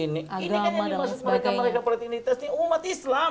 ini kan yang dimaksud mereka mereka politik identitas ini umat islam